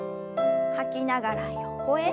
吐きながら横へ。